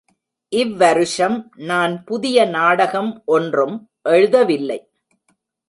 இவ் வருஷம் நான் புதிய நாடகம் ஒன்றும் எழுதவில்லை.